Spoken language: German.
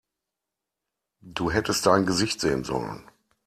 Du hättest dein Gesicht sehen sollen!